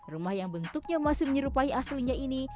rumah yang bentuknya masih menyerupai aslinya ini